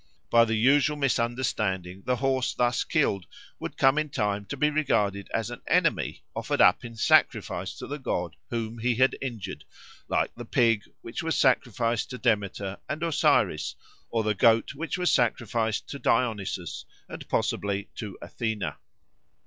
By the usual misunderstanding the horse thus killed would come in time to be regarded as an enemy offered up in sacrifice to the god whom he had injured, like the pig which was sacrificed to Demeter and Osiris or the goat which was sacrificed to Dionysus, and possibly to Athena.